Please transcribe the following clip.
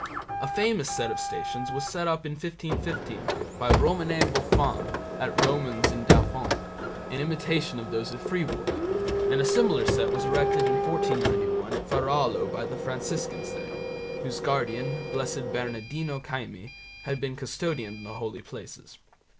A famous set of Stations was set up in 1515 by Romanet Bofin at Romans in Dauphine, in imitation of those at Fribourg, and a similar set was erected in 1491 at Varallo by the Franciscans there, whose guardian, Blessed Bernardino Caimi, had been custodian of the holy places.